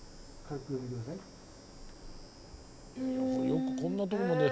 よくこんなとこまで。